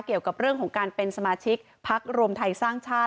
เกี่ยวกับเรื่องของการเป็นสมาชิกพักรวมไทยสร้างชาติ